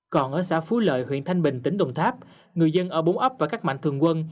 còn ở xã phú lợi huyện thanh bình tỉnh đồng tháp người dân ở bốn ấp và các mạnh thường quân